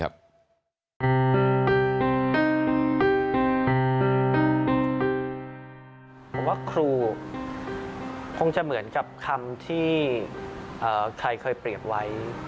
ผมว่าครูคงจะเหมือนกับคำที่ใครเคยเปรียบไว้